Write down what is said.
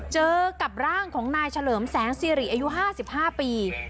เจอกับร่างของนายเฉลิมแสงสิริอายุ๕๕ปี